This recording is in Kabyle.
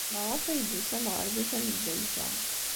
Maɣef ay d-tusam ɣer da tanezzayt-a?